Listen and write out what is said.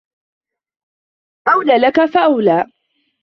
أَولى لَكَ فَأَولى